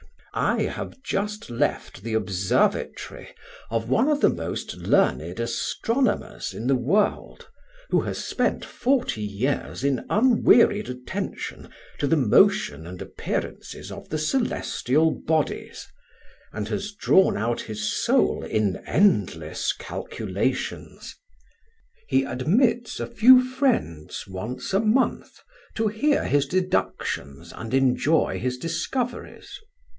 I have just left the observatory of one of the most learned astronomers in the world, who has spent forty years in unwearied attention to the motion and appearances of the celestial bodies, and has drawn out his soul in endless calculations. He admits a few friends once a month to hear his deductions and enjoy his discoveries.